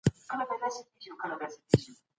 هغه محصل چي په لومړي قطار کي دی ډېر لایق دی.